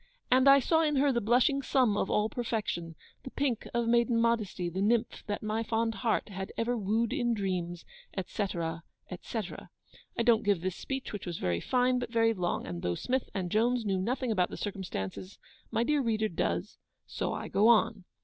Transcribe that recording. And I saw in her the blushing sum of all perfection; the pink of maiden modesty; the nymph that my fond heart had ever woo'd in dreams,' etc. etc. (I don't give this speech, which was very fine, but very long; and though Smith and Jones knew nothing about the circumstances, my dear reader does, so I go on.)